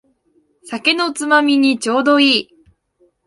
酒のつまみにちょうどいい